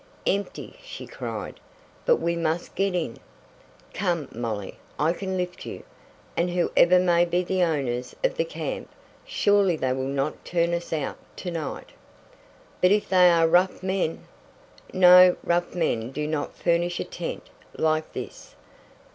"Empty!" she cried. "But we must get in. Come, Molly, I can lift you, and whoever may be the owners of the camp, surely they will not turn us out to night." "But if they are rough men " "No, rough men do not furnish a tent like this.